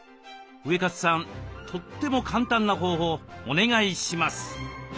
ウエカツさんとっても簡単な方法お願いします。